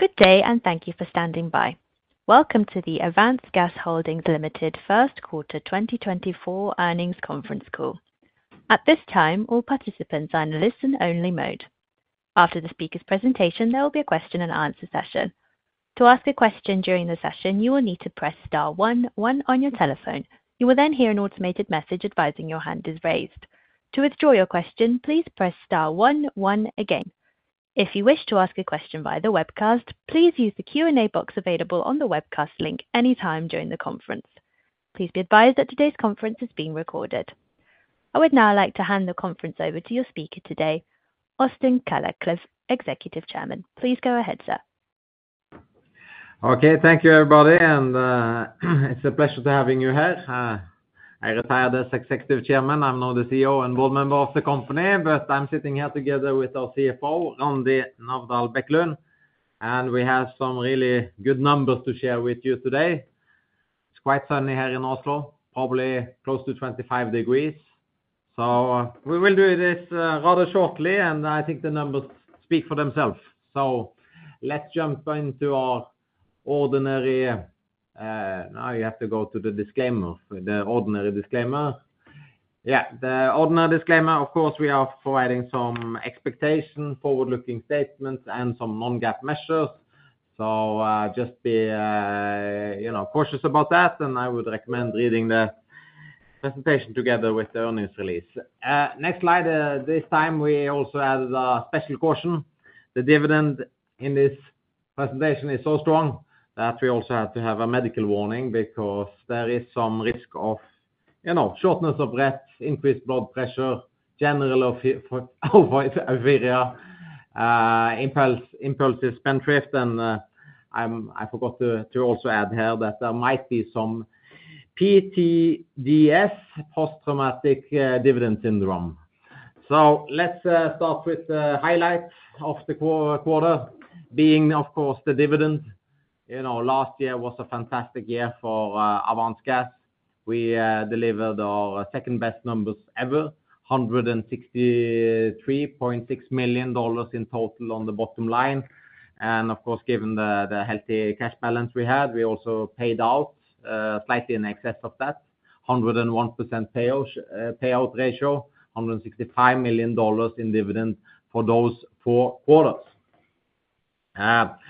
Good day, and thank you for standing by. Welcome to the Avance Gas Holding Ltd First Quarter 2024 Earnings Conference Call. At this time, all participants are in listen only mode. After the speaker's presentation, there will be a question and answer session. To ask a question during the session, you will need to press star one one on your telephone. You will then hear an automated message advising your hand is raised. To withdraw your question, please press star one one again. If you wish to ask a question via the webcast, please use the Q&A box available on the webcast link anytime during the conference. Please be advised that today's conference is being recorded. I would now like to hand the conference over to your speaker today, Øystein Kalleklev, Executive Chairman. Please go ahead, sir. Okay. Thank you, everybody, and, it's a pleasure to having you here. I retired as Executive Chairman. I'm now the CEO and board member of the company, but I'm sitting here together with our CFO, Randi Navdal Bekkelund, and we have some really good numbers to share with you today. It's quite sunny here in Oslo, probably close to 25 degrees, so we will do this, rather shortly, and I think the numbers speak for themselves. So let's jump into our ordinary, now you have to go to the disclaimer, the ordinary disclaimer. Yeah, the ordinary disclaimer, of course, we are providing some expectations, forward-looking statements and some non-GAAP measures. So, just be, you know, cautious about that, and I would recommend reading the presentation together with the earnings release. Next slide. This time we also added a special caution. The dividend in this presentation is so strong that we also had to have a medical warning because there is some risk of, you know, shortness of breath, increased blood pressure, general euphoria, impulsive spendthrift. I forgot to also add here that there might be some PTSD, post-traumatic dividend syndrome. So let's start with the highlights of the quarter, being of course, the dividend. You know, last year was a fantastic year for Avance Gas. We delivered our second-best numbers ever, $163.6 million in total on the bottom line. And of course, given the healthy cash balance we had, we also paid out slightly in excess of that, 101% payout ratio, $165 million in dividend for those four quarters.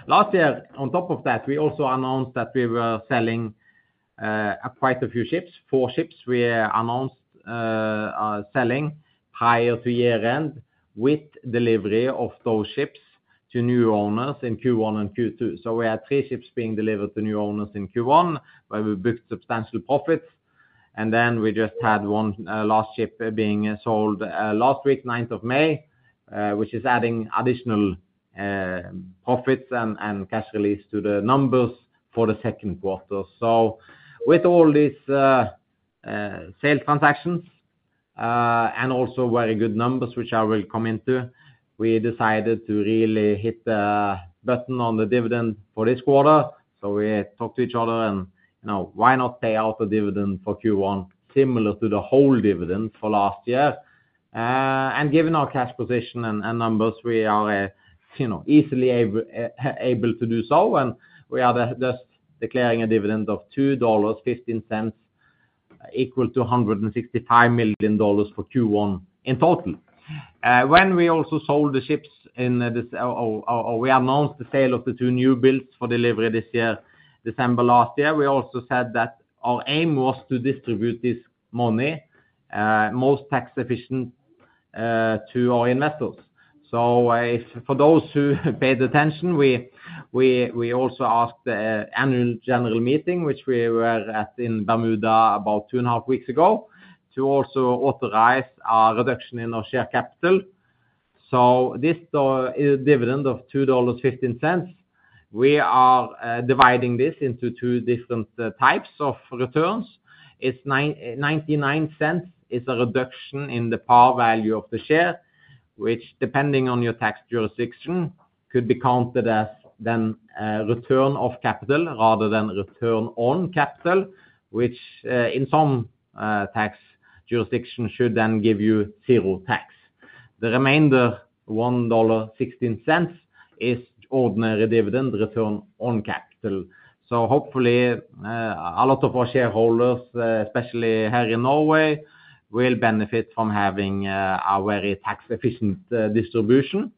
Last year, on top of that, we also announced that we were selling quite a few ships. Four ships we announced selling prior to year-end, with delivery of those ships to new owners in Q1 and Q2. So we had three ships being delivered to new owners in Q1, where we booked substantial profits, and then we just had one last ship being sold last week, 9th of May, which is adding additional profits and cash release to the numbers for the second quarter. So with all these sales transactions and also very good numbers, which I will come into, we decided to really hit the button on the dividend for this quarter. So we talked to each other and, you know, why not pay out the dividend for Q1, similar to the whole dividend for last year? And given our cash position and, and numbers, we are, you know, easily able, able to do so. And we are just declaring a dividend of $2.15, equal to $165 million for Q1 in total. When we also sold the ships in this, or, or we announced the sale of the two new builds for delivery this year, December last year, we also said that our aim was to distribute this money, most tax efficient, to our investors. So, if for those who paid attention, we also asked the Annual General Meeting, which we were at in Bermuda about two and a half weeks ago, to also authorize a reduction in our share capital. So this is a dividend of $2.15. We are dividing this into two different types of returns. It's $0.99 is a reduction in the par value of the share, which, depending on your tax jurisdiction, could be counted as then a return of capital rather than return on capital, which in some tax jurisdictions should then give you zero tax. The remainder, $1.16, is ordinary dividend return on capital. So hopefully a lot of our shareholders, especially here in Norway, will benefit from having a very tax-efficient distribution.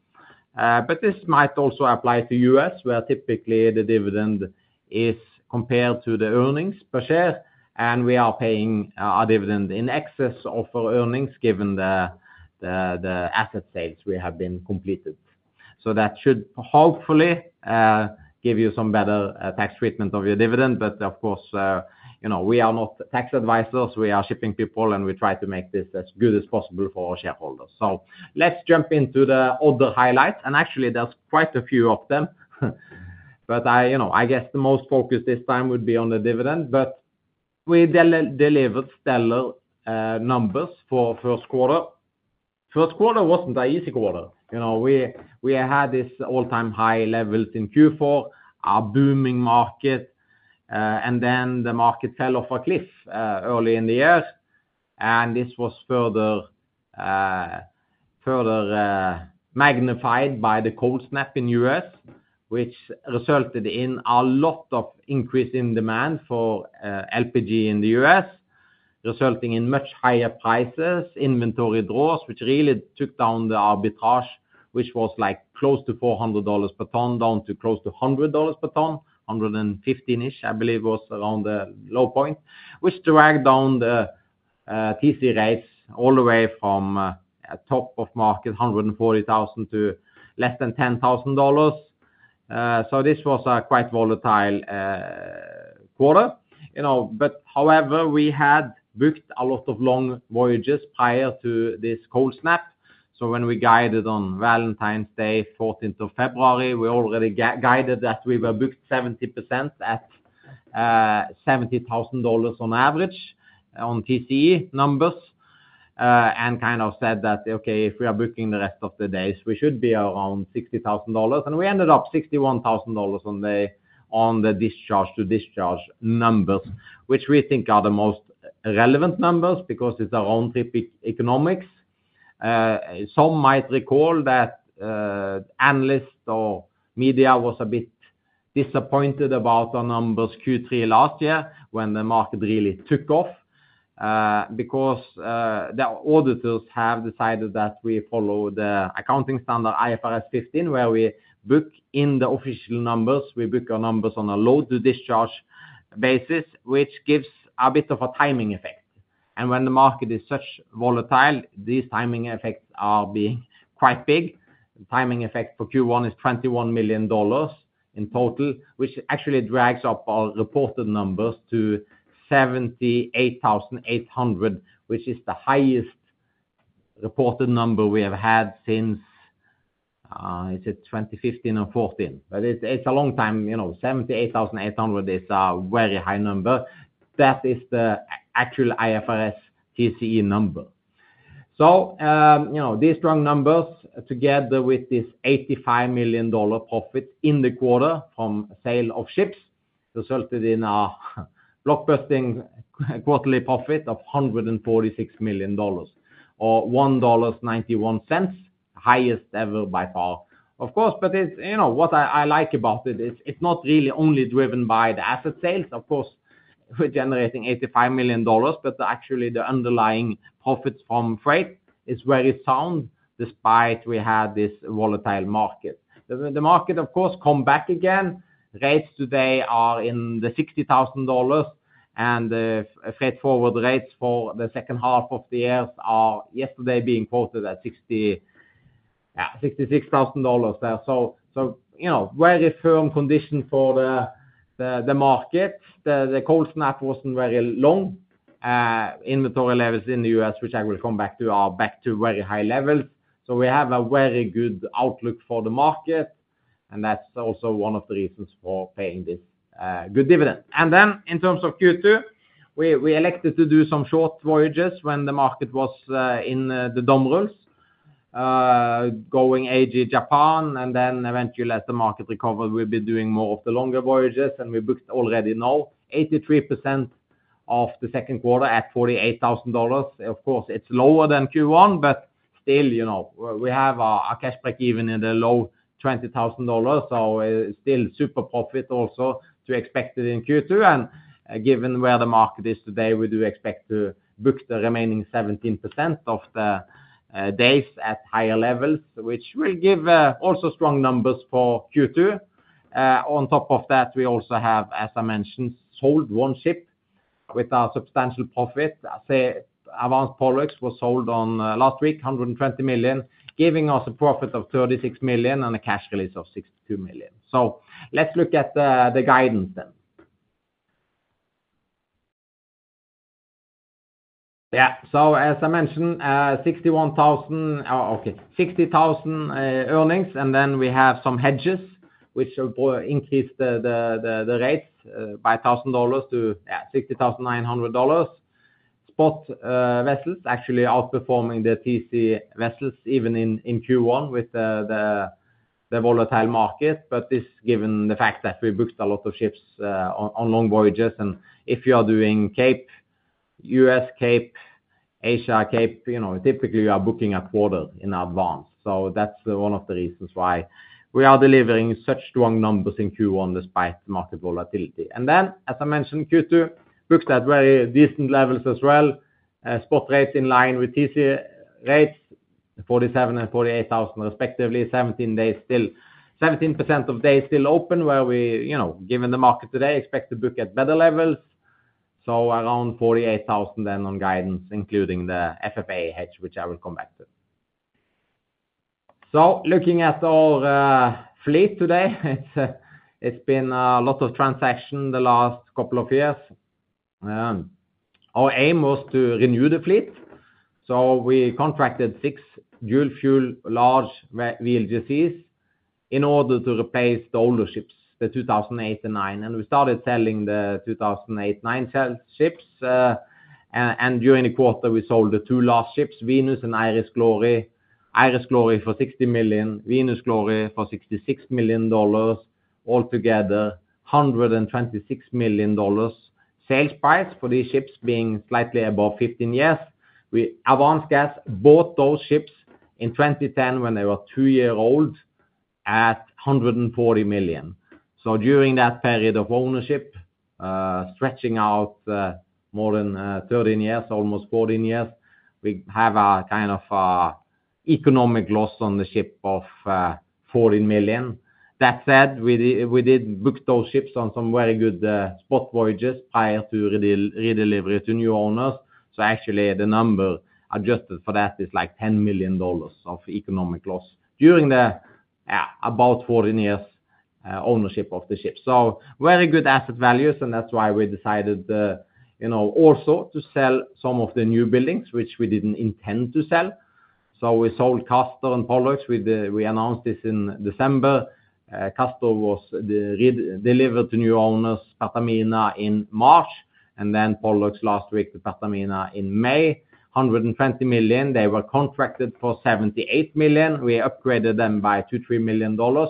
But this might also apply to U.S., where typically the dividend is compared to the earnings per share, and we are paying our dividend in excess of our earnings, given the asset sales we have completed. So that should hopefully give you some better tax treatment of your dividend. But of course, you know, we are not tax advisors, we are shipping people, and we try to make this as good as possible for our shareholders. So let's jump into the other highlights, and actually there's quite a few of them. But, you know, I guess the most focused this time would be on the dividend, but we delivered stellar numbers for first quarter. First quarter wasn't an easy quarter. You know, we had this all-time high levels in Q4, a booming market, and then the market fell off a cliff early in the year. And this was further magnified by the cold snap in the U.S., which resulted in a lot of increase in demand for LPG in the U.S., resulting in much higher prices, inventory draws, which really took down the arbitrage, which was like close to $400 per ton, down to close to $100 per ton, 115-ish, I believe, was around the low point. Which dragged down the TC rates all the way from a top of market, $140,000 to less than $10,000. So this was a quite volatile quarter, you know. But however, we had booked a lot of long voyages prior to this cold snap. So when we guided on Valentine's Day, 14th of February, we already guided that we were booked 70% at $70,000 on average, on TCE numbers. And kind of said that, "Okay, if we are booking the rest of the days, we should be around $60,000." And we ended up $61,000 on the, on the discharge to discharge numbers, which we think are the most relevant numbers because it's our own trip economics. Some might recall that analysts or media was a bit disappointed about our numbers Q3 last year, when the market really took off. Because the auditors have decided that we follow the accounting standard IFRS 15, where we book in the official numbers, we book our numbers on a load to discharge basis, which gives a bit of a timing effect. When the market is such volatile, these timing effects are being quite big. Timing effect for Q1 is $21 million in total, which actually drags up our reported numbers to 78,800, which is the highest reported number we have had since, is it 2015 or 2014? But it's, it's a long time, you know, 78,800 is a very high number. That is the actual IFRS TCE number. So, you know, these strong numbers, together with this $85 million profit in the quarter from sale of ships, resulted in a blockbusting quarterly profit of $146 million or $1.91, highest ever by far. Of course, but it's... You know, what I, I like about it is, it's not really only driven by the asset sales. Of course, we're generating $85 million, but actually, the underlying profits from freight is very sound, despite we had this volatile market. The market, of course, come back again. Rates today are in the $60,000, and the freight forward rates for the second half of the year are yesterday being quoted at 60, yeah, $60,000 there. So, you know, very firm condition for the market. The cold snap wasn't very long. Inventory levels in the U.S., which I will come back to, are back to very high levels. So we have a very good outlook for the market, and that's also one of the reasons for paying this good dividend. In terms of Q2, we elected to do some short voyages when the market was in the doldrums, going AG Japan, and then eventually, as the market recovered, we've been doing more of the longer voyages, and we booked already now 83% of the second quarter at $48,000. Of course, it's lower than Q1, but still, you know, we have a cash break-even in the low $20,000, so still super profit also to expect in Q2. Given where the market is today, we do expect to book the remaining 17% of the days at higher levels, which will give also strong numbers for Q2. On top of that, we also have, as I mentioned, sold one ship with a substantial profit. Avance Pollux was sold last week, $120 million, giving us a profit of $36 million and a cash release of $62 million. So let's look at the guidance then. So as I mentioned, 61,000, okay, 60,000 earnings, and then we have some hedges which will increase the rates by $1,000 to $60,900. Spot vessels actually outperforming the TC vessels even in Q1 with the volatile market, but this given the fact that we booked a lot of ships on long voyages. And if you are doing Cape, U.S. Cape, Asia Cape, you know, typically you are booking a quarter in advance. So that's one of the reasons why we are delivering such strong numbers in Q1, despite market volatility. And then, as I mentioned, Q2 booked at very decent levels as well. Spot rates in line with TCE rates, $47,000 and $48,000 respectively. 17 days still—17% of days still open, where we, you know, given the market today, expect to book at better levels, so around $48,000 then on guidance, including the FFA hedge, which I will come back to. So looking at our fleet today, it's been a lot of transactions the last couple of years. Our aim was to renew the fleet, so we contracted six dual fuel large VLGCs in order to replace the older ships, the 2008 and 2009. And we started selling the 2008 and 2009 sale ships, and during the quarter, we sold the last two ships, Venus and Iris Glory... Iris Glory for $60 million, Venus Glory for $66 million. Altogether, $126 million sales price for these ships being slightly above 15 years. We, Avance Gas bought those ships in 2010 when they were two-year-old at $140 million. So during that period of ownership, stretching out more than 13 years, almost 14 years, we have a kind of economic loss on the ship of $14 million. That said, we did book those ships on some very good spot voyages prior to redelivery to new owners. So actually the number adjusted for that is like $10 million of economic loss during the about 14 years ownership of the ship. So very good asset values, and that's why we decided, you know, also to sell some of the newbuildings which we didn't intend to sell. So we sold Castor and Pollux. We announced this in December. Castor was delivered to new owners, Pertamina, in March, and then Pollux last week to Pertamina in May. $120 million, they were contracted for $78 million. We upgraded them by $2 miilion-$3 million.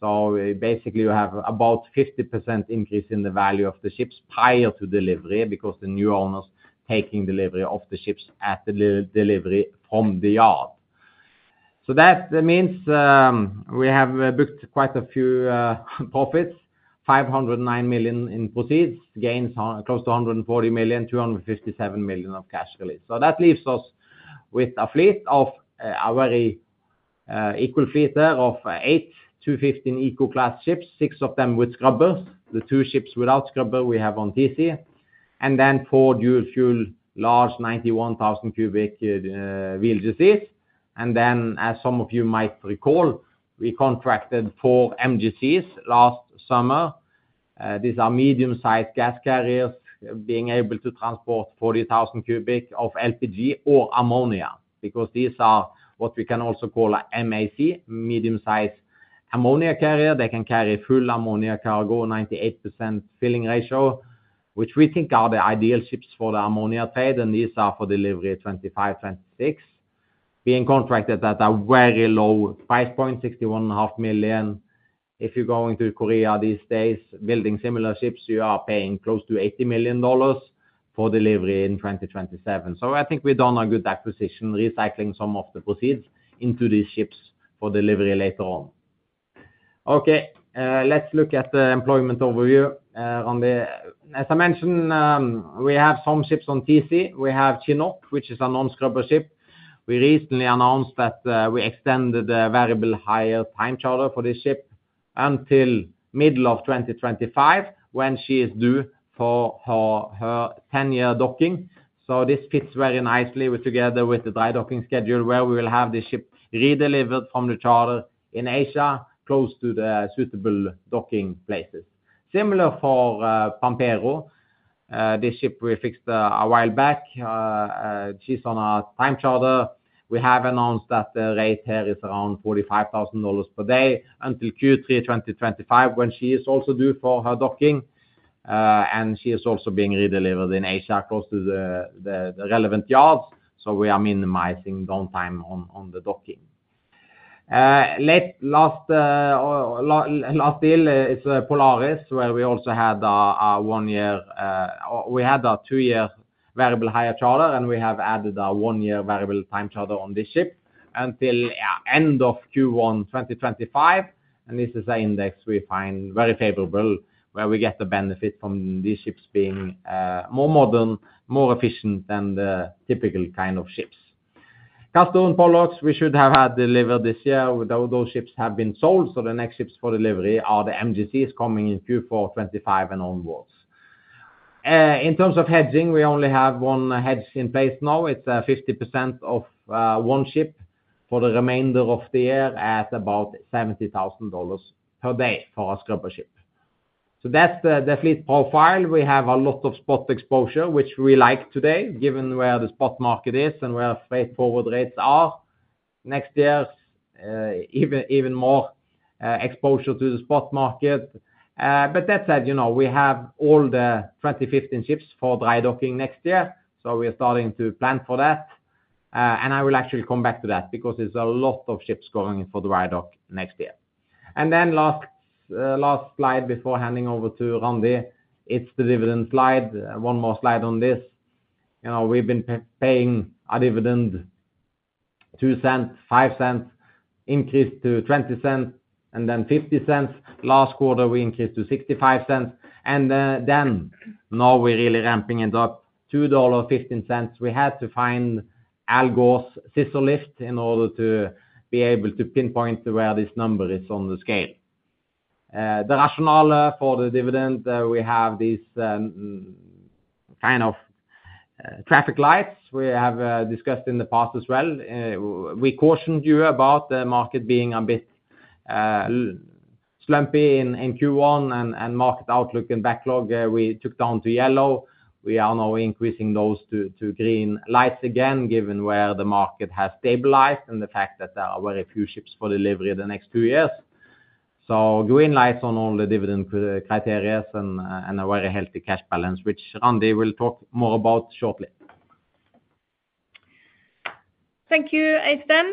So basically you have about 50% increase in the value of the ships prior to delivery, because the new owners taking delivery of the ships at the delivery from the yard. So that means, we have booked quite a few profits, $509 million in proceeds, gains close to $140 million, $257 million of cash release. So that leaves us with a fleet of a very equal fleet of eight to 15 Eco-class ships, six of them with scrubbers. The two ships without scrubber we have on TC, and then four dual fuel, large 91,000 cubic VLGCs. And then, as some of you might recall, we contracted four MGCs last summer. These are medium-sized gas carriers being able to transport 40,000 cubic of LPG or ammonia, because these are what we can also call a MAC, medium-sized ammonia carrier. They can carry full ammonia cargo, 98% filling ratio, which we think are the ideal ships for the ammonia trade, and these are for delivery in 2025, 2026. Being contracted at a very low $56.15 million. If you're going to Korea these days, building similar ships, you are paying close to $80 million for delivery in 2027. So I think we've done a good acquisition, recycling some of the proceeds into these ships for delivery later on. Okay, let's look at the employment overview. On the—as I mentioned, we have some ships on TC. We have Chinook, which is a non-scrubber ship. We recently announced that we extended the variable hire time charter for this ship until middle of 2025, when she is due for her ten-year docking. So this fits very nicely with the dry docking schedule, where we will have this ship redelivered from the charter in Asia, close to the suitable docking places. Similar for Pampero. This ship we fixed a while back. She's on a time charter. We have announced that the rate here is around $45,000 per day until Q3 2025, when she is also due for her docking. She is also being redelivered in Asia, close to the relevant yards, so we are minimizing downtime on the docking. Last deal is Polaris, where we also had a one-year... We had a two-year variable hire charter, and we have added a one-year variable time charter on this ship until end of Q1 2025, and this is an index we find very favorable, where we get the benefit from these ships being more modern, more efficient than the typical kind of ships. Castor and Pollux, we should have had delivered this year. Those ships have been sold, so the next ships for delivery are the MGCs coming in Q4 2025 and onwards. In terms of hedging, we only have one hedge in place now. It's 50% of one ship for the remainder of the year at about $70,000 per day for a scrubber ship. So that's the fleet profile. We have a lot of spot exposure, which we like today, given where the spot market is and where forward rates are. Next year, even more exposure to the spot market. But that said, you know, we have all the 2015 ships for dry docking next year, so we are starting to plan for that. And I will actually come back to that because there's a lot of ships going in for the dry dock next year. Then last slide before handing over to Randi, it's the dividend slide. One more slide on this. You know, we've been paying a dividend, $0.02, $0.05, increased to $0.20, and then $0.50. Last quarter, we increased to $0.65, and then now we're really ramping it up, $2.15. We had to find Al Gore's scissor lift in order to be able to pinpoint where this number is on the scale. The rationale for the dividend, we have these kind of traffic lights we have discussed in the past as well. We cautioned you about the market being a bit slumpy in Q1, and market outlook and backlog, we took down to yellow. We are now increasing those to green lights again, given where the market has stabilized and the fact that there are very few ships for delivery in the next two years. So green lights on all the dividend criteria and a very healthy cash balance, which Randi will talk more about shortly. Thank you, Øystein.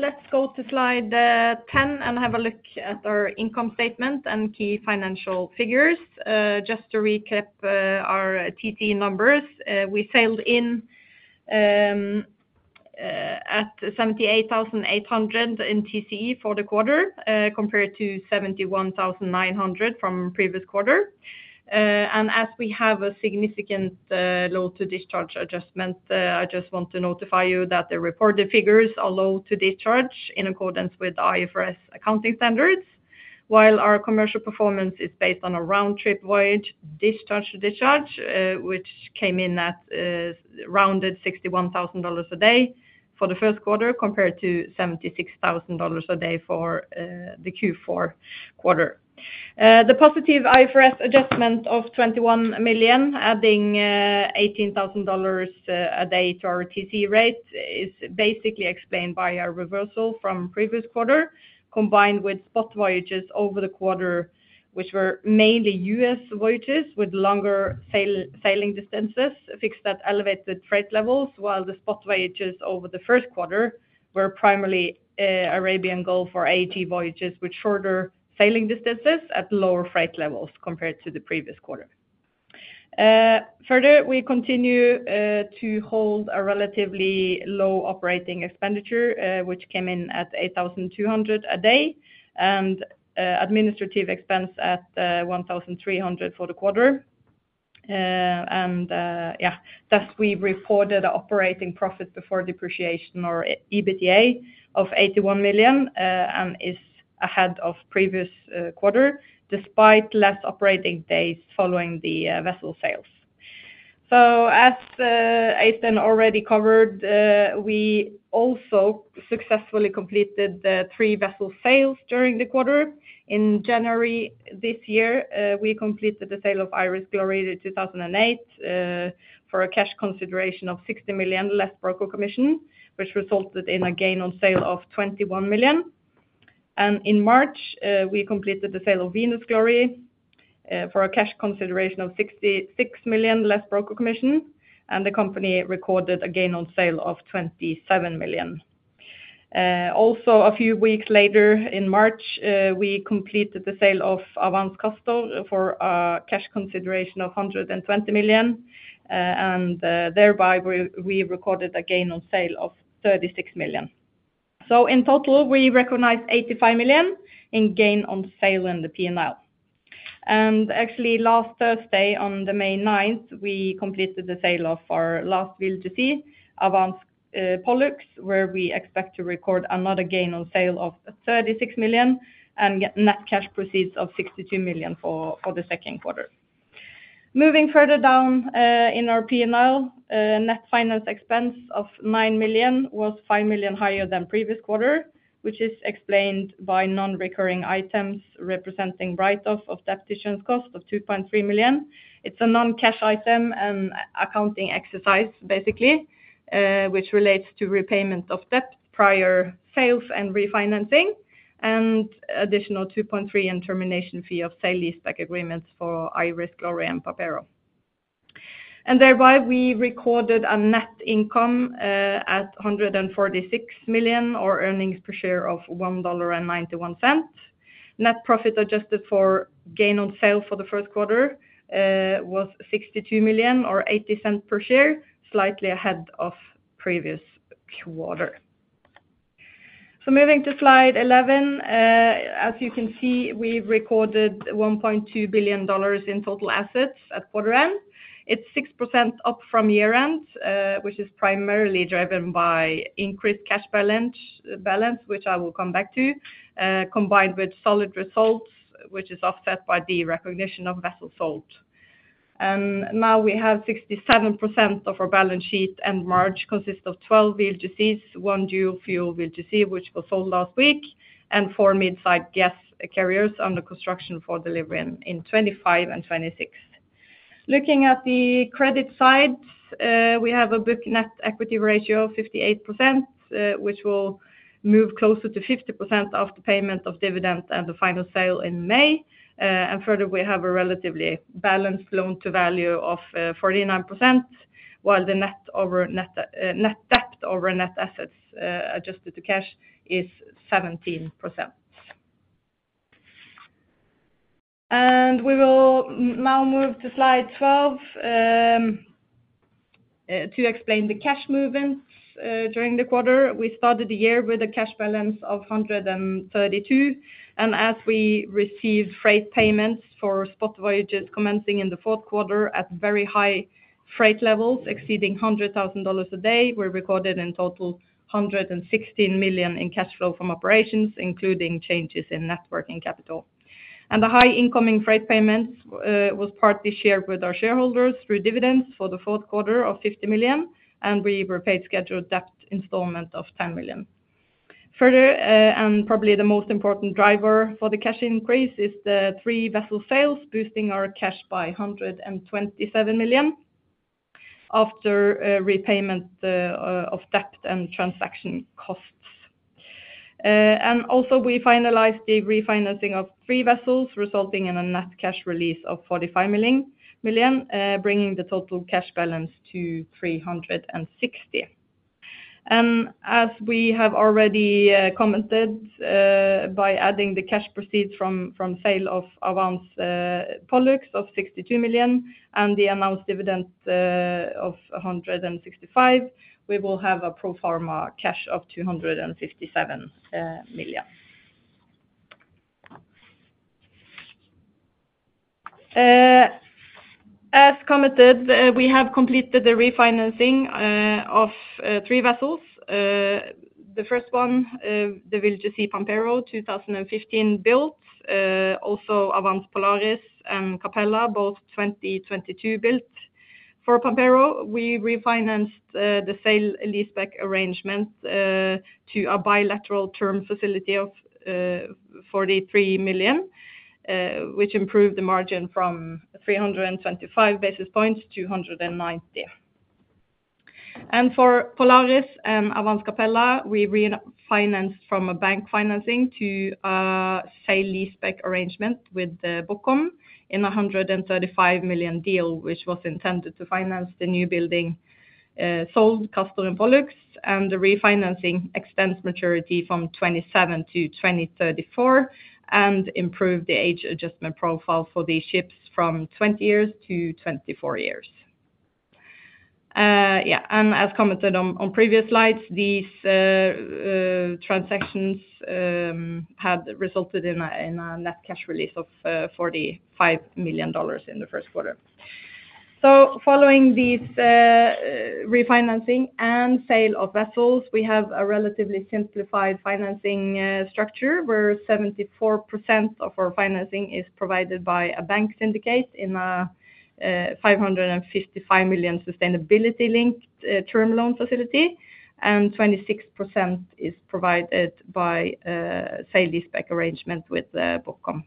Let's go to slide 10 and have a look at our income statement and key financial figures. Just to recap, our TCE numbers, we sailed in at $78,800 in TCE for the quarter, compared to $71,900 from previous quarter. As we have a significant load to discharge adjustment, I just want to notify you that the reported figures are load to discharge in accordance with IFRS accounting standards. While our commercial performance is based on a round-trip voyage, discharge to discharge, which came in at rounded $61,000 a day for the first quarter, compared to $76,000 a day for the Q4 quarter. The positive IFRS adjustment of $21 million, adding $18,000 a day to our TCE rate, is basically explained by a reversal from previous quarter, combined with spot voyages over the quarter, which were mainly U.S. voyages with longer sailing distances, fixed at elevated freight levels, while the spot voyages over the first quarter were primarily Arabian Gulf or AG voyages with shorter sailing distances at lower freight levels compared to the previous quarter. Further, we continue to hold a relatively low operating expenditure, which came in at $8,200 a day, and administrative expense at $1,300 for the quarter. And yeah, thus we reported an operating profit before depreciation or EBITDA of $81 million, and is ahead of previous quarter, despite less operating days following the vessel sales. As Øystein already covered, we also successfully completed the three vessel sales during the quarter. In January this year, we completed the sale of Iris Glory in 2008, for a cash consideration of $60 million, less broker commission, which resulted in a gain on sale of $21 million. In March, we completed the sale of Venus Glory, for a cash consideration of $66 million, less broker commission, and the company recorded a gain on sale of $27 million. Also, a few weeks later in March, we completed the sale of Avance Castor for a cash consideration of $120 million, and thereby, we recorded a gain on sale of $36 million. In total, we recognized $85 million in gain on sale in the P&L. Actually, last Thursday, on May 9th, we completed the sale of our last VLGC, Avance Pollux, where we expect to record another gain on sale of $36 million and get net cash proceeds of $62 million for the second quarter. Moving further down, in our P&L, net finance expense of $9 million was $5 million higher than previous quarter, which is explained by non-recurring items, representing write-off of debt issuance cost of $2.3 million. It's a non-cash item and accounting exercise, basically, which relates to repayment of debt, prior sales and refinancing, and additional $2.3 million in termination fee of sale-leaseback agreements for Iris Glory and Pampero. Thereby, we recorded a net income at $146 million, or earnings per share of $1.91. Net profit adjusted for gain on sale for the first quarter was $62 million or $0.80 per share, slightly ahead of previous quarter. So moving to slide 11, as you can see, we've recorded $1.2 billion in total assets at quarter end. It's 6% up from year end, which is primarily driven by increased cash balance, balance, which I will come back to, combined with solid results, which is offset by the recognition of vessel sold. Now we have 67% of our balance sheet and March consists of 12 VLGCs, one dual fuel VLGC, which was sold last week, and four mid-size gas carriers under construction for delivery in 2025 and 2026. Looking at the credit side, we have a book net equity ratio of 58%, which will move closer to 50% after payment of dividend and the final sale in May. And further, we have a relatively balanced loan to value of 49%, while the net over net, net debt over net assets, adjusted to cash is 17%. And we will now move to slide 12, to explain the cash movements during the quarter. We started the year with a cash balance of $132 million, and as we receive freight payments for spot voyages commencing in the fourth quarter at very high freight levels, exceeding $100,000 a day, we recorded in total $116 million in cash flow from operations, including changes in net working capital. The high incoming freight payments was partly shared with our shareholders through dividends for the fourth quarter of $50 million, and we repaid scheduled debt installment of $10 million. Further, and probably the most important driver for the cash increase is the three vessel sales, boosting our cash by $127 million after repayment of debt and transaction costs. And also we finalized the refinancing of three vessels, resulting in a net cash release of $45 million, bringing the total cash balance to $360 million. And as we have already commented, by adding the cash proceeds from sale of Avance Pollux of $62 million, and the announced dividend of $165 million, we will have a pro forma cash of $257 million. As commented, we have completed the refinancing of three vessels. The first one, the VLGC Pampero, 2015-built, also Avance Polaris and Capella, both 2022-built. For Pampero, we refinanced the sale and leaseback arrangement to a bilateral term facility of $43 million, which improved the margin from 325 basis points to 290. For Polaris and Avance Capella, we refinanced from a bank financing to a sale leaseback arrangement with BOCOM in a $135 million deal, which was intended to finance the new building sold Castor and Pollux, and the refinancing extends maturity from 2027 to 2034, and improve the age adjustment profile for these ships from 20 years to 24 years. Yeah, and as commented on previous slides, these transactions have resulted in a net cash release of $45 million in the first quarter. So following these refinancing and sale of vessels, we have a relatively simplified financing structure, where 74% of our financing is provided by a bank syndicate in a $555 million sustainability-linked term loan facility, and 26% is provided by sale-leaseback arrangement with BOCOM.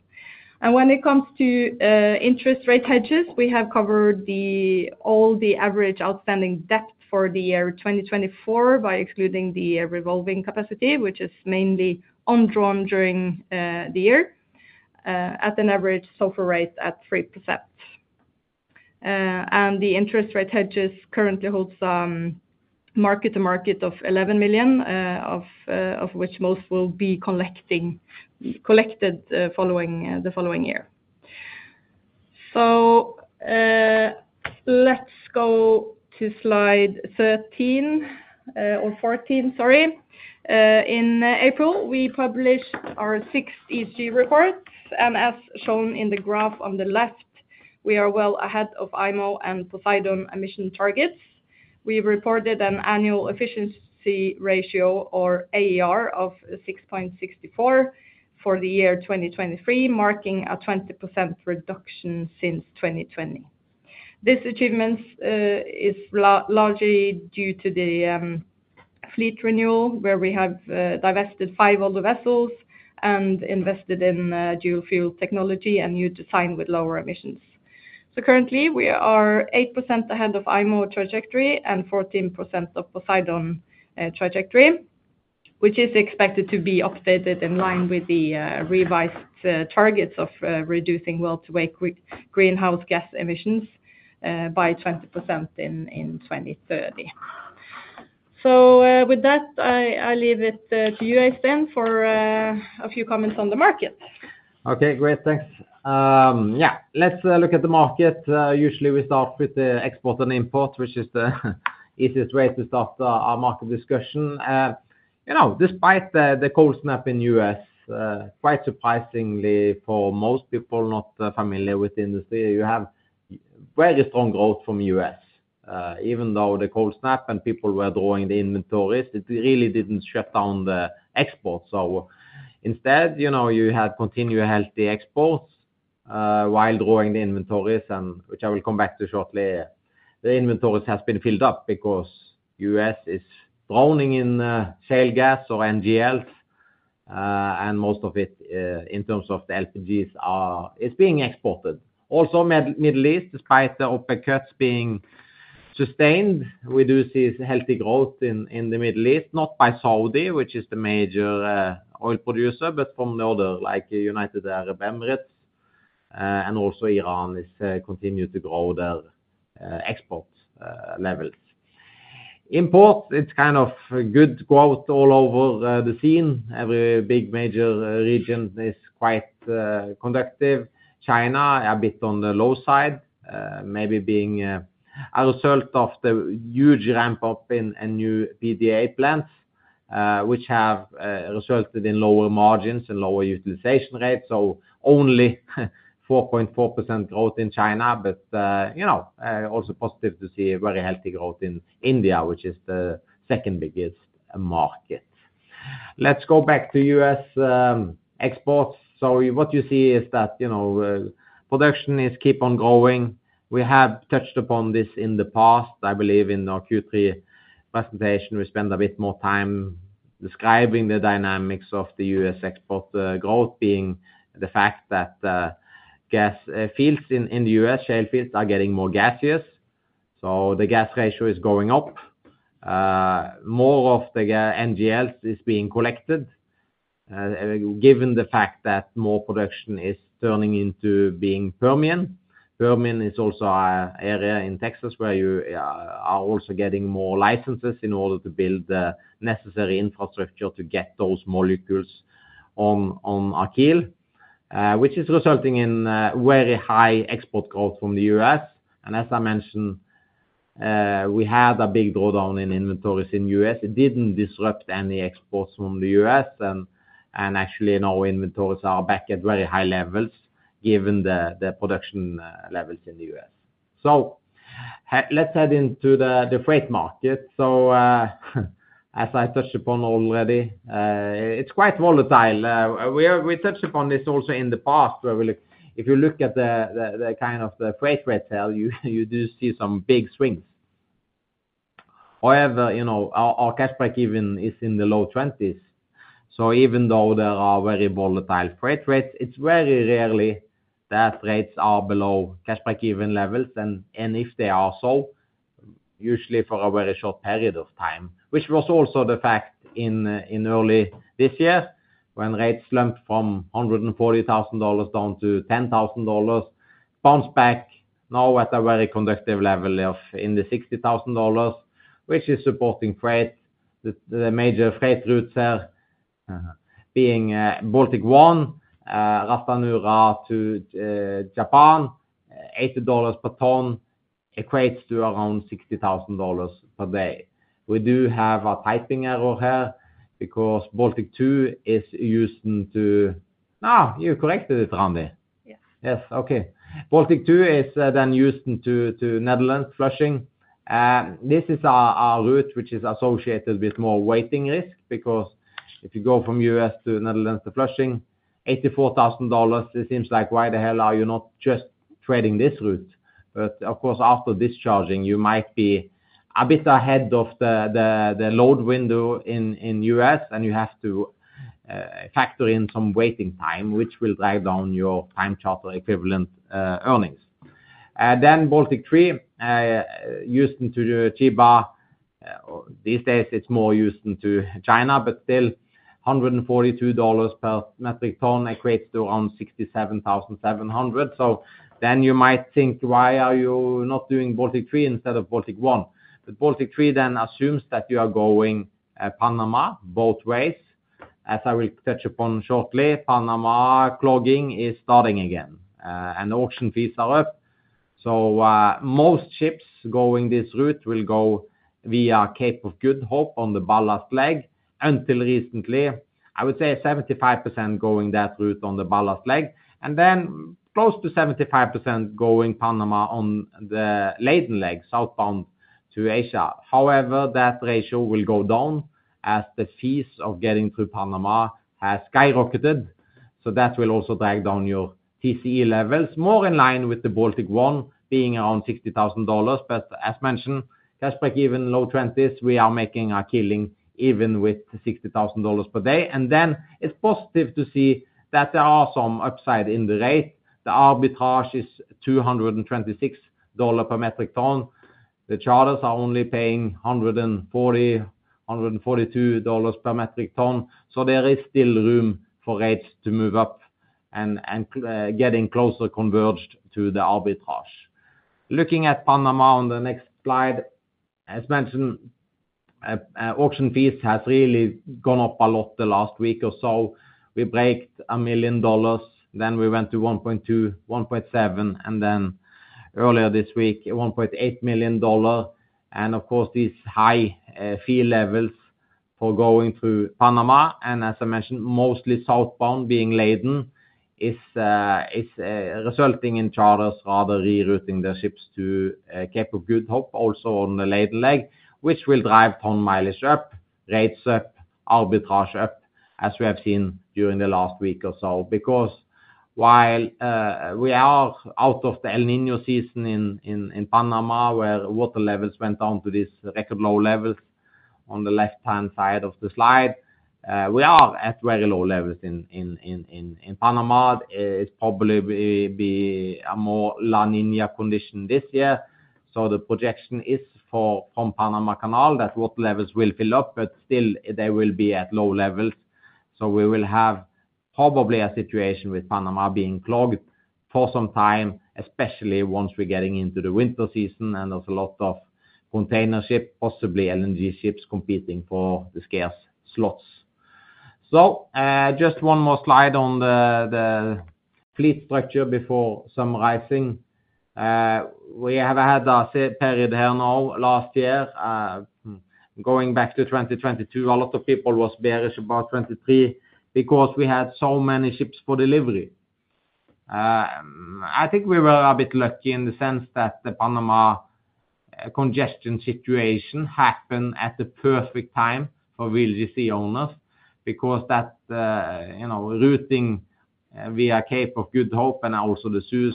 And when it comes to interest rate hedges, we have covered all the average outstanding debt for the year 2024, by excluding the revolving capacity, which is mainly undrawn during the year, at an average fixed rate at 3%. And the interest rate hedges currently holds some mark-to-market of $11 million, of which most will be collected following the following year. So, let's go to slide 13 or 14, sorry. In April, we published our sixth ESG report, and as shown in the graph on the left, we are well ahead of IMO and Poseidon emission targets. We reported an annual efficiency ratio, or AER, of 6.64 for the year 2023, marking a 20% reduction since 2020. This achievement is largely due to the fleet renewal, where we have divested five older vessels and invested in dual-fuel technology and new design with lower emissions. So currently, we are 8% ahead of IMO trajectory and 14% of Poseidon trajectory, which is expected to be updated in line with the revised targets of reducing worldwide greenhouse gas emissions by 20% in 2030. So, with that, I leave it to you, Øystein, for a few comments on the market. Okay, great. Thanks. Yeah, let's look at the market. Usually we start with the export and import, which is the easiest way to start our market discussion. You know, despite the cold snap in U.S., quite surprisingly for most people not familiar with the industry, you have very strong growth from U.S. Even though the cold snap and people were drawing the inventories, it really didn't shut down the export. So instead, you know, you had continued healthy exports while drawing the inventories and which I will come back to shortly. The inventories has been filled up because U.S. is drowning in shale gas or NGLs, and most of it in terms of the LPGs are, is being exported. Also, Middle East, despite the OPEC cuts being sustained, we do see healthy growth in the Middle East, not by Saudi, which is the major oil producer, but from the other, like United Arab Emirates, and also Iran is continue to grow their export levels. Import, it's kind of good growth all over the scene. Every big major region is quite conducive. China, a bit on the low side, maybe being a result of the huge ramp up in a new PDH plants, which have resulted in lower margins and lower utilization rates, so only 4.4% growth in China, but you know also positive to see a very healthy growth in India, which is the second biggest market. Let's go back to US exports. So what you see is that, you know, production is keep on growing. We have touched upon this in the past, I believe in our Q3 presentation, we spend a bit more time describing the dynamics of the U.S. export, growth being the fact that, gas fields in the U.S., shale fields are getting more gaseous, so the gas ratio is going up. More of the NGLs is being collected, given the fact that more production is turning into being Permian. Permian is also an area in Texas where you are also getting more licenses in order to build the necessary infrastructure to get those molecules onto rail, which is resulting in very high export growth from the U.S. And as I mentioned, we had a big drawdown in inventories in the U.S. It didn't disrupt any exports from the U.S., and actually now inventories are back at very high levels, given the production levels in the U.S. So, let's head into the freight market. So, as I touched upon already, it's quite volatile. We touched upon this also in the past, where we look—if you look at the kind of the freight rate, you do see some big swings. However, you know, our cash break-even is in the low 20s, so even though there are very volatile freight rates, it's very rarely that rates are below cash break-even levels. If they are so, usually for a very short period of time, which was also the fact in early this year, when rates slumped from $140,000 down to $10,000, bounced back now at a very conducive level of in the $60,000, which is supporting freight. The major freight routes there being Baltic One, Ras Tanura to Japan, $80 per ton equates to around $60,000 per day. We do have a typing error here, because Baltic Two is Houston to... Ah, you corrected it, Randi? Yes. Yes. Okay. Baltic Two is then Houston to Netherlands, Flushing. This is our route, which is associated with more waiting risk, because if you go from U.S. to Netherlands, to Flushing, $84,000, it seems like why the hell are you not just trading this route? But of course, after discharging, you might be a bit ahead of the load window in U.S., and you have to factor in some waiting time, which will drive down your time charter equivalent earnings. Then Baltic Three, Houston to Chiba, these days it's more Houston to China, but still $142 per metric ton equates to around $67,700. So then you might think, "Why are you not doing Baltic Three instead of Baltic One?" But Baltic Three then assumes that you are going, Panama both ways. As I will touch upon shortly, Panama clogging is starting again, and auction fees are up. So, most ships going this route will go via Cape of Good Hope on the ballast leg. Until recently, I would say 75% going that route on the ballast leg, and then close to 75% going Panama on the laden leg, southbound to Asia. However, that ratio will go down as the fees of getting through Panama has skyrocketed, so that will also drag down your TCE levels. More in line with the Baltic One, being around $60,000, but as mentioned, cash break-even, low 20s, we are making a killing even with $60,000 per day. Then it's positive to see that there are some upside in the rate. The arbitrage is $226 per metric ton. The charters are only paying $140-$142 per metric ton, so there is still room for rates to move up and getting closer converged to the arbitrage. Looking at Panama on the next slide, as mentioned, auction fees has really gone up a lot the last week or so. We break $1 million, then we went to $1.2 million, $1.7 million, and then earlier this week, $1.8 million. Of course, these high fee levels for going through Panama, and as I mentioned, mostly southbound being laden, is resulting in charters rather rerouting their ships to Cape of Good Hope, also on the laden leg, which will drive ton mileage up, rates up, arbitrage up, as we have seen during the last week or so. Because while we are out of the El Niño season in Panama, where water levels went down to this record low levels, on the left-hand side of the slide, we are at very low levels in Panama. It's probably a more La Niña condition this year, so the projection is for from Panama Canal, that water levels will fill up, but still they will be at low levels. So we will have probably a situation with Panama being clogged for some time, especially once we're getting into the winter season, and there's a lot of container ship, possibly LNG ships, competing for the scarce slots. So, just one more slide on the fleet structure before summarizing. We have had a set period here now, last year, going back to 2022, a lot of people was bearish about 2023 because we had so many ships for delivery. I think we were a bit lucky in the sense that the Panama congestion situation happened at the perfect time for VLGC owners... because that, you know, routing via Cape of Good Hope and also the Suez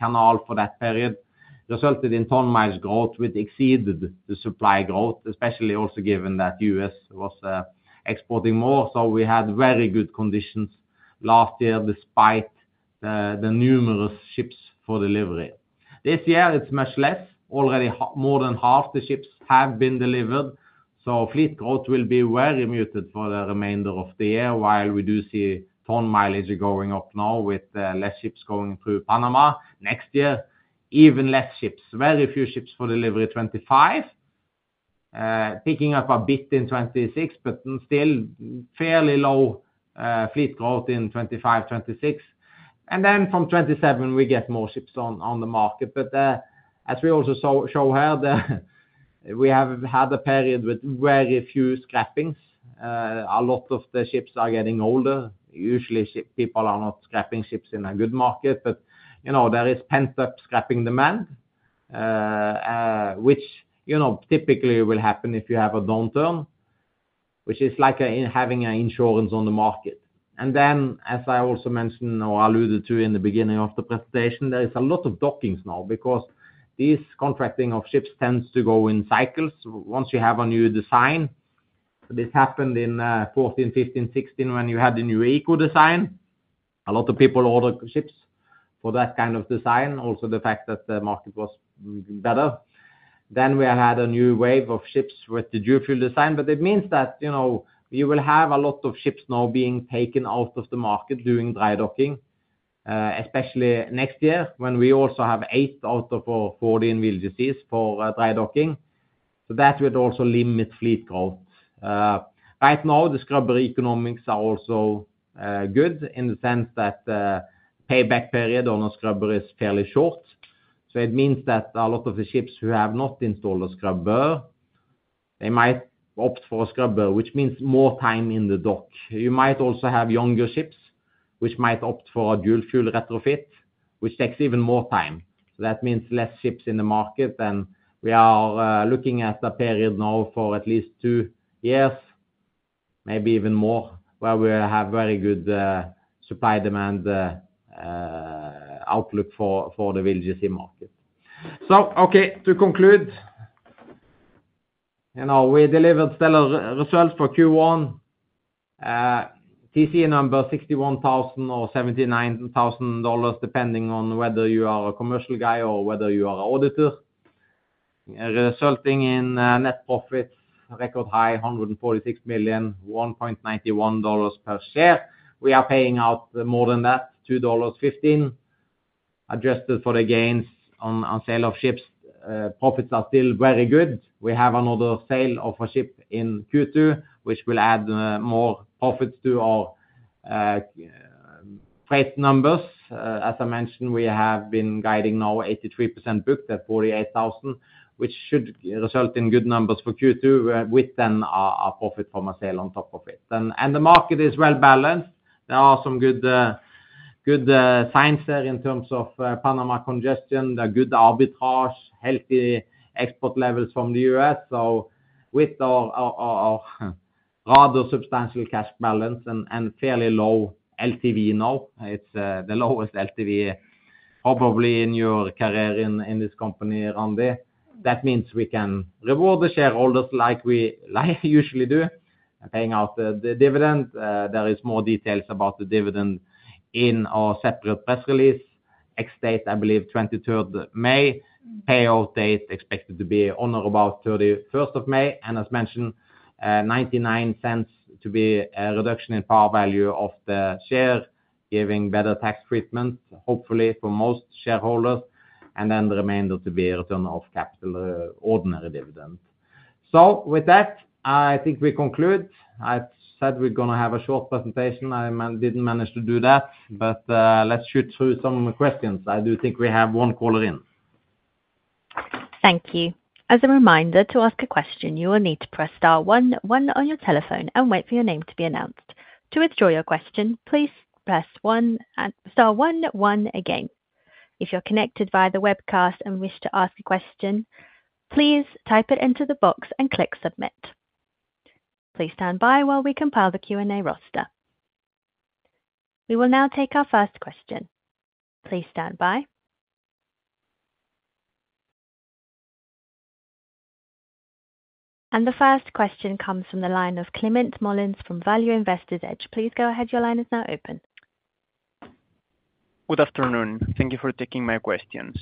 Canal for that period, resulted in ton miles growth, which exceeded the supply growth, especially also given that US was exporting more. So we had very good conditions last year, despite the numerous ships for delivery. This year it's much less, already more than half the ships have been delivered, so fleet growth will be very muted for the remainder of the year, while we do see ton mileage going up now with less ships going through Panama. Next year, even less ships, very few ships for delivery 2025, picking up a bit in 2026, but still fairly low, fleet growth in 2025, 2026. And then from 2027 we get more ships on, on the market. But, as we also show here, we have had a period with very few scrappings. A lot of the ships are getting older. Usually, ship people are not scrapping ships in a good market, but, you know, there is pent-up scrapping demand, which, you know, typically will happen if you have a downturn, which is like having an insurance on the market. Then, as I also mentioned or alluded to in the beginning of the presentation, there is a lot of dockings now because this contracting of ships tends to go in cycles. Once you have a new design, this happened in 2014, 2015, 2016, when you had the new eco design. A lot of people ordered ships for that kind of design, also the fact that the market was better. Then we had a new wave of ships with the dual fuel design, but it means that, you know, you will have a lot of ships now being taken out of the market, doing dry docking, especially next year, when we also have eight out of 14 VLGCs for dry docking. So that would also limit fleet growth. Right now, the scrubber economics are also good in the sense that payback period on a scrubber is fairly short. So it means that a lot of the ships who have not installed a scrubber, they might opt for a scrubber, which means more time in the dock. You might also have younger ships, which might opt for a dual fuel retrofit, which takes even more time. That means less ships in the market, and we are looking at a period now for at least two years, maybe even more, where we have very good supply-demand outlook for the VLGC market. So okay, to conclude, you know, we delivered stellar results for Q1. TC number $61,000 or $79,000, depending on whether you are a commercial guy or whether you are auditor, resulting in net profits, record high, $146 million, $1.91 per share. We are paying out more than that, $2.15, adjusted for the gains on sale of ships. Profits are still very good. We have another sale of a ship in Q2, which will add more profits to our freight numbers. As I mentioned, we have been guiding now 83% booked at $48,000, which should result in good numbers for Q2, with then our profit from a sale on top of it. The market is well-balanced. There are some good signs there in terms of Panama congestion, the good arbitrage, healthy export levels from the US. So with our rather substantial cash balance and fairly low LTV now, it's the lowest LTV probably in your career in this company, Randi. That means we can reward the shareholders like we usually do, paying out the dividend. There is more details about the dividend in our separate press release. Ex-date, I believe, 23rd May. Payout date expected to be on or about 31s of May, and as mentioned, $0.99 to be a reduction in par value of the share, giving better tax treatment, hopefully for most shareholders, and then the remainder to be a return of capital, ordinary dividend. So with that, I think we conclude. I said we're gonna have a short presentation, I mean, didn't manage to do that, but, let's shoot through some of the questions. I do think we have one caller in. Thank you. As a reminder, to ask a question, you will need to press star one one on your telephone and wait for your name to be announced. To withdraw your question, please press one and star one one again. If you're connected via the webcast and wish to ask a question, please type it into the box and click Submit. Please stand by while we compile the Q&A roster. We will now take our first question. Please stand by. And the first question comes from the line of Climent Molins from Value Investor's Edge. Please go ahead, your line is now open. Good afternoon. Thank you for taking my questions.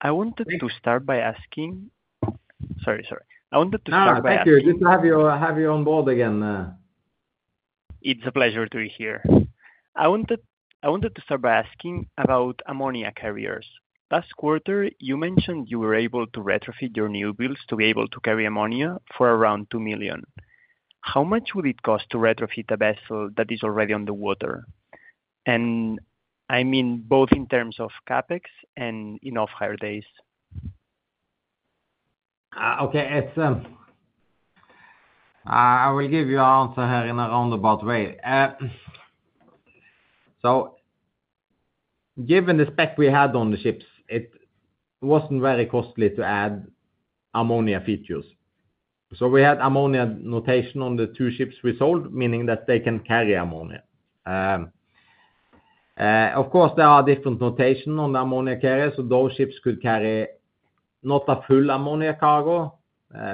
I wanted to start by asking... Sorry, sorry. I wanted to start by asking- No, thank you. Good to have you on board again. It's a pleasure to be here. I wanted, I wanted to start by asking about ammonia carriers. Last quarter, you mentioned you were able to retrofit your new builds to be able to carry ammonia for around $2 million. How much would it cost to retrofit a vessel that is already on the water? And I mean, both in terms of CapEx and in off-hire days. Okay. It's, I will give you an answer here in a roundabout way. So given the spec we had on the ships, it wasn't very costly to add ammonia features. So we had ammonia notation on the two ships we sold, meaning that they can carry ammonia. Of course, there are different notation on the ammonia carriers, so those ships could carry not a full ammonia cargo,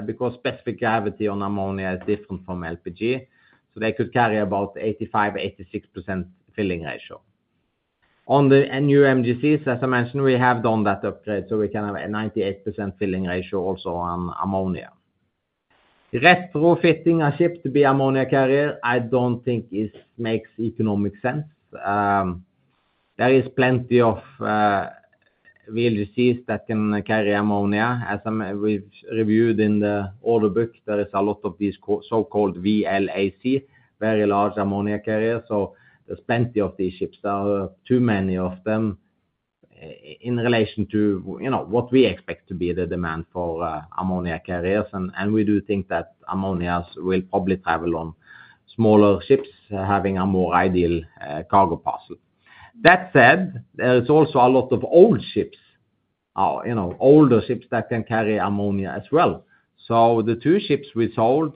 because specific gravity on ammonia is different from LPG, so they could carry about 85%-86% filling ratio. On the new MGCs, as I mentioned, we have done that upgrade, so we can have a 98% filling ratio also on ammonia. Retrofitting a ship to be ammonia carrier, I don't think makes economic sense. There is plenty of VLGCs that can carry ammonia. As we've reviewed in the order book, there is a lot of these so-called VLAC, very large ammonia carriers, so there's plenty of these ships. There are too many of them, in relation to, you know, what we expect to be the demand for ammonia carriers. And we do think that ammonias will probably travel on smaller ships having a more ideal cargo parcel. That said, there's also a lot of old ships, you know, older ships that can carry ammonia as well. So the two ships we sold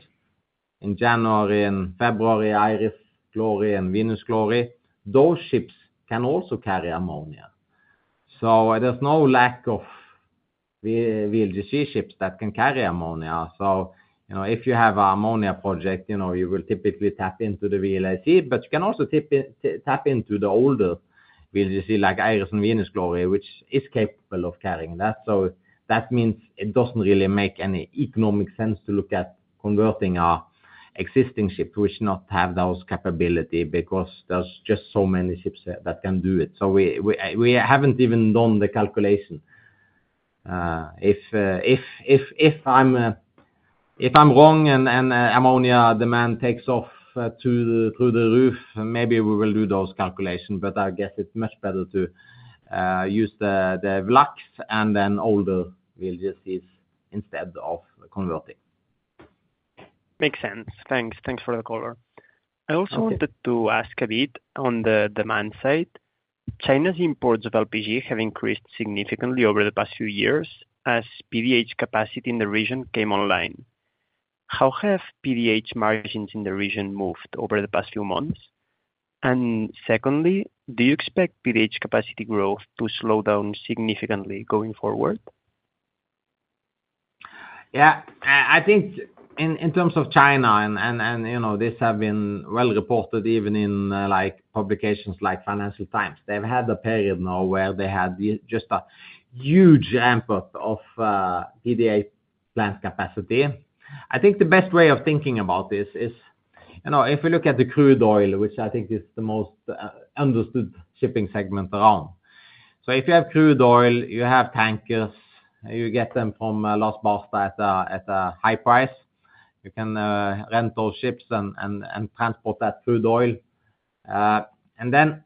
in January and February, Iris Glory and Venus Glory, those ships can also carry ammonia. So there's no lack of VLGC ships that can carry ammonia. So, you know, if you have a ammonia project, you know, you will typically tap into the VLAC, but you can also tap into the older VLGC, like Iris and Venus Glory, which is capable of carrying that. So that means it doesn't really make any economic sense to look at converting our existing ships which not have those capability, because there's just so many ships that can do it. So we haven't even done the calculation. If I'm wrong and ammonia demand takes off through the roof, maybe we will do those calculations, but I guess it's much better to use the VLACs and then older VLGCs instead of converting. Makes sense. Thanks. Thanks for the color. Okay. I also wanted to ask a bit on the demand side. China's imports of LPG have increased significantly over the past few years, as PDH capacity in the region came online. How have PDH margins in the region moved over the past few months? And secondly, do you expect PDH capacity growth to slow down significantly going forward? Yeah. I think in terms of China and, you know, this have been well reported even in, like, publications like Financial Times. They've had a period now where they had just a huge input of PDH plant capacity. I think the best way of thinking about this is, you know, if we look at the crude oil, which I think is the most understood shipping segment around. So if you have crude oil, you have tankers, you get them from load ports at a high price. You can rent those ships and transport that crude oil. And then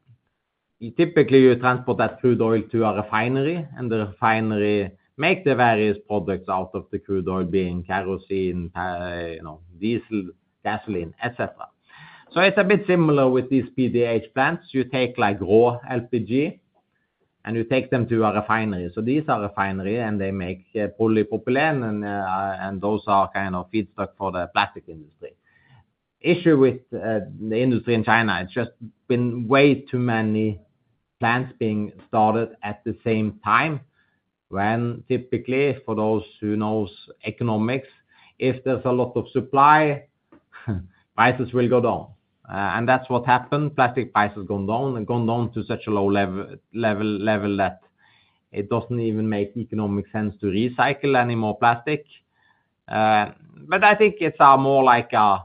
typically, you transport that crude oil to a refinery, and the refinery make the various products out of the crude oil, being kerosene, you know, diesel, gasoline, et cetera. So it's a bit similar with these PDH plants. You take, like, raw LPG, and you take them to a refinery. So these are refinery, and they make polypropylene and, and those are kind of feedstock for the plastic industry. Issue with, the industry in China, it's just been way too many plants being started at the same time, when typically, for those who knows economics, if there's a lot of supply, prices will go down. And that's what happened, plastic prices gone down, and gone down to such a low level that it doesn't even make economic sense to recycle any more plastic. But I think it's, more like a,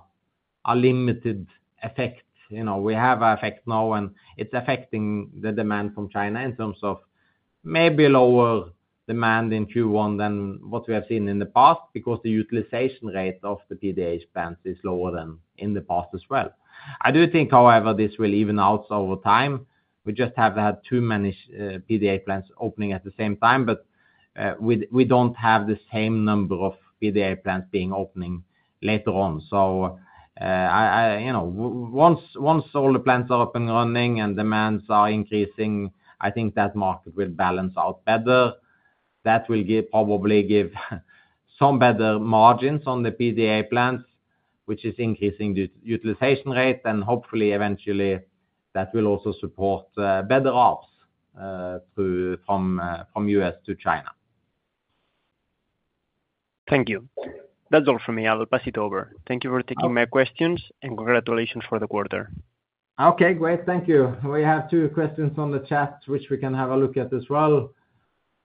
a limited effect. You know, we have effect now, and it's affecting the demand from China in terms of maybe lower demand in Q1 than what we have seen in the past, because the utilization rate of the PDH plants is lower than in the past as well. I do think, however, this will even out over time. We just have had too many PDH plants opening at the same time, but we don't have the same number of PDH plants being opening later on. So, You know, once all the plants are up and running and demands are increasing, I think that market will balance out better. That will probably give some better margins on the PDH plants, which is increasing the utilization rate, and hopefully eventually that will also support better ops through from U.S. to China. Thank you. That's all for me. I will pass it over. Thank you for taking my questions, and congratulations for the quarter. Okay, great. Thank you. We have two questions on the chat, which we can have a look at as well.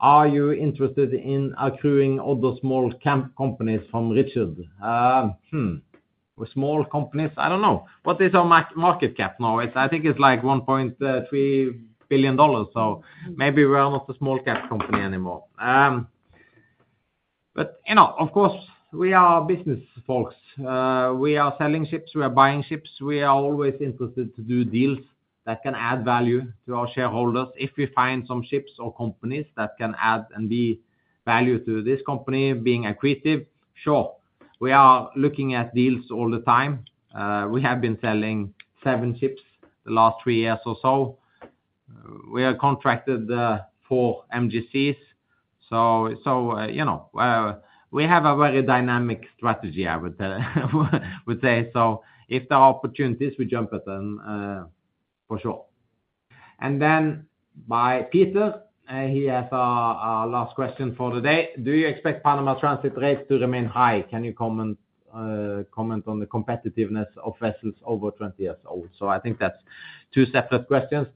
Are you interested in acquiring all those small cap companies from Richard? Small companies? I don't know. What is our market cap now? It's, I think it's, like, $1.3 billion, so maybe we are not a small cap company anymore. But, you know, of course, we are business folks. We are selling ships, we are buying ships. We are always interested to do deals that can add value to our shareholders. If we find some ships or companies that can add and be value to this company being accretive, sure. We are looking at deals all the time. We have been selling seven ships the last three years or so. We have contracted four MGCs, so, you know, we have a very dynamic strategy, I would tell, would say. So if there are opportunities, we jump at them, for sure. And then by Peter, he has a last question for the day: Do you expect Panama transit rates to remain high? Can you comment on the competitiveness of vessels over 20 years old? So I think that's two separate questions.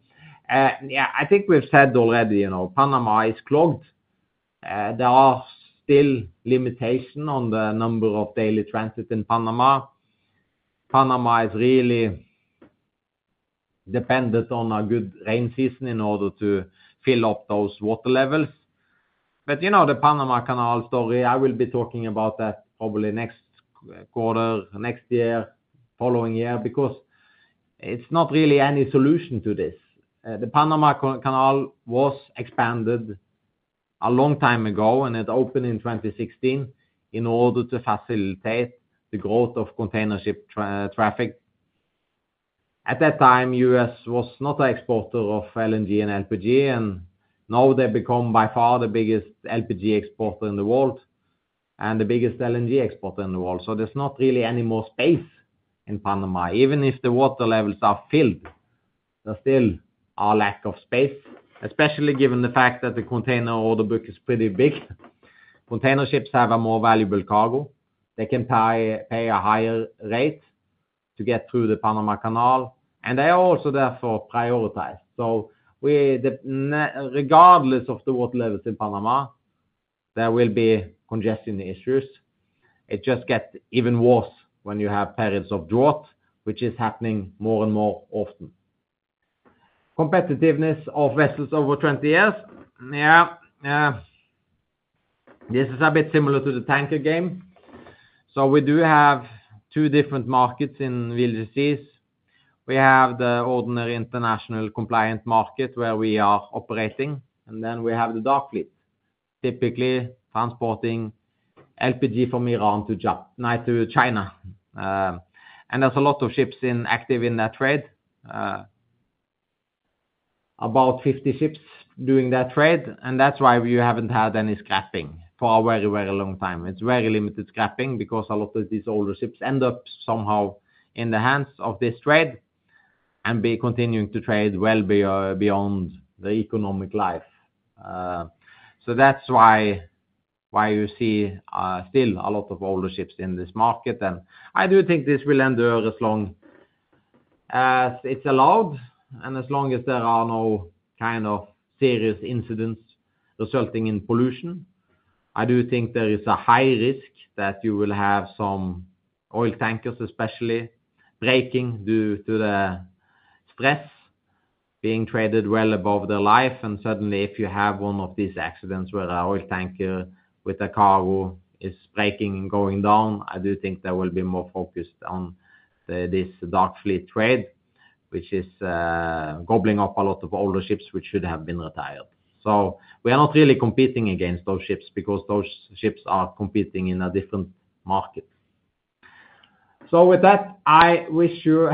Yeah, I think we've said already, you know, Panama is clogged. There are still limitation on the number of daily transit in Panama. Panama is really dependent on a good rain season in order to fill up those water levels. But you know, the Panama Canal story, I will be talking about that probably next quarter, next year, following year, because it's not really any solution to this. The Panama Canal was expanded a long time ago, and it opened in 2016 in order to facilitate the growth of container ship traffic. At that time, the U.S. was not an exporter of LNG and LPG, and now they've become by far the biggest LPG exporter in the world and the biggest LNG exporter in the world, so there's not really any more space in Panama. Even if the water levels are filled, there still is a lack of space, especially given the fact that the container order book is pretty big. Container ships have a more valuable cargo. They can pay a higher rate to get through the Panama Canal, and they are also therefore prioritized. So regardless of the water levels in Panama, there will be congestion issues. It just gets even worse when you have periods of drought, which is happening more and more often. Competitiveness of vessels over 20 years, yeah. This is a bit similar to the tanker game. So we do have two different markets in VLGCs. We have the ordinary international compliant market where we are operating, and then we have the dark fleet, typically transporting LPG from Iran to Ja- now to China. And there's a lot of ships active in that trade, about 50 ships doing that trade, and that's why we haven't had any scrapping for a very, very long time. It's very limited scrapping because a lot of these older ships end up somehow in the hands of this trade and continuing to trade well beyond the economic life. So that's why, why you see, still a lot of older ships in this market, and I do think this will endure as long as it's allowed and as long as there are no kind of serious incidents resulting in pollution. I do think there is a high risk that you will have some oil tankers, especially breaking due to the stress, being traded well above their life. And suddenly, if you have one of these accidents where a oil tanker with a cargo is breaking and going down, I do think they will be more focused on the, this dark fleet trade, which is, gobbling up a lot of older ships which should have been retired. So we are not really competing against those ships because those ships are competing in a different market. So with that, I wish you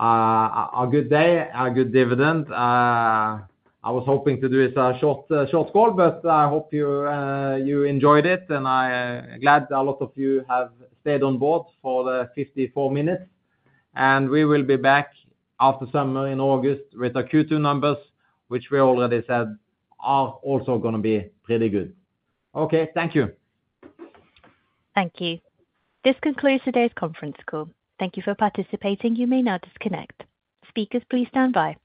a good day, a good dividend. I was hoping to do this as a short call, but I hope you enjoyed it, and I'm glad a lot of you have stayed on board for the 54 minutes. We will be back after summer in August with our Q2 numbers, which we already said are also gonna be pretty good. Okay. Thank you. Thank you. This concludes today's conference call. Thank you for participating. You may now disconnect. Speakers, please stand by.